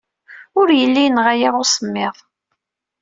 Ur yelli yenɣa-aɣ usemmiḍ.